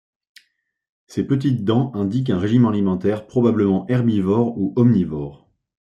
Ces petites dents indiquent un régime alimentaire probablement herbivore ou omnivore.